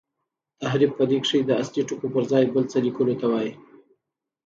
تحریف په لیک کښي د اصلي ټکو پر ځای بل څه لیکلو ته وايي.